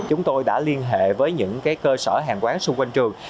chúng tôi đã liên hệ với những cơ sở hàng quán xung quanh trường